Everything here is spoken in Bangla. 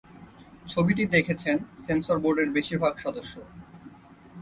ছবিটি দেখেছেন সেন্সর বোর্ডের বেশির ভাগ সদস্য।